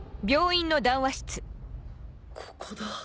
ここだ